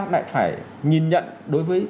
lại phải nhìn nhận đối với